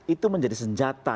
itu menjadi senjata